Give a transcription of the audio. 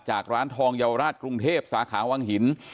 ร้านทองเยาวราชกรุงเทพสาขาวังหิน